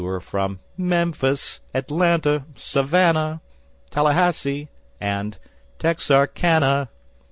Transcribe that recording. # They tour from Memphis, Atlanta, Savannah, Tallahassee and Texarkana.